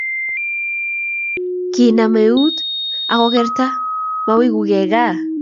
kinama eut ako kerta mowekukei Kaa